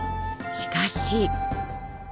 しかし。